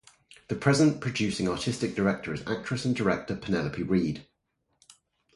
The present Producing Artistic Director is actress and director Penelope Reed.